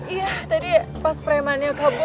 iya tadi pas preman yang kabur